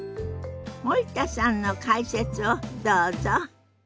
森田さんの解説をどうぞ。